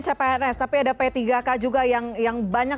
cpns tapi ada p tiga k juga yang yang banyak